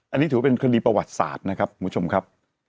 อันนี้ถือว่าเป็นคดีประวัติศาสตร์นะครับคุณผู้ชมครับ